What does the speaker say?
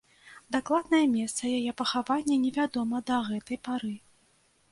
Дакладнае месца яе пахавання невядома да гэтай пары.